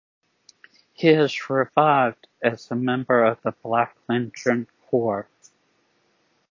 He is revived as a member of the Black Lantern Corps.